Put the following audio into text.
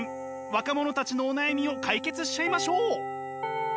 若者たちのお悩みを解決しちゃいましょう！